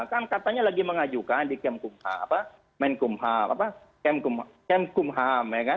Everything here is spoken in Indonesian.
kan katanya lagi mengajukan di kemp kumham